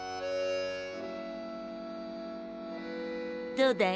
どうだい？